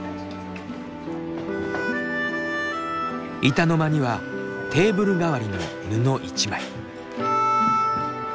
板の間にはテーブル代わりの布一枚。